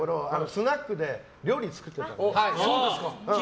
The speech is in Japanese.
スナックで料理作ってたの。